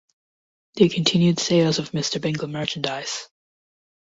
They continued sales of Mr. Bingle merchandise.